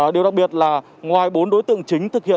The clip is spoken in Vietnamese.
điều đặc biệt là ngoài bốn đối tượng chính